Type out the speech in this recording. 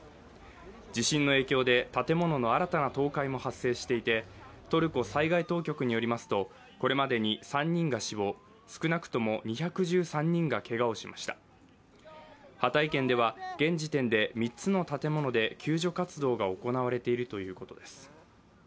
地震の影響で建物の新たな倒壊も発生していてトルコ災害当局によりますとこれまでに３人が死亡、少なくとも２１３人がけがをしましたハタイ県では現時点で３つの建物で救助活動が行われているということです。